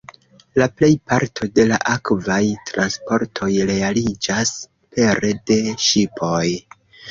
La plej parto de la akvaj transportoj realiĝas pere de ŝipoj.